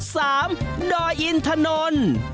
สามด้อยอินทนน